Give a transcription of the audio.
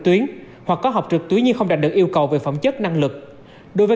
tuyến hoặc có học trực tuyến nhưng không đạt được yêu cầu về phẩm chất năng lực đối với